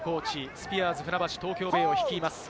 スピアーズ船橋・東京ベイを率います。